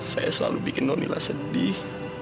saya selalu bikin nonila sedih